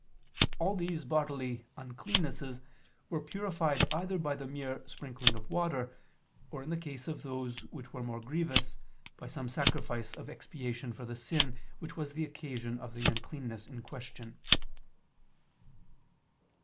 All these bodily uncleannesses were purified either by the mere sprinkling of water, or, in the case of those which were more grievous, by some sacrifice of expiation for the sin which was the occasion of the uncleanness in question.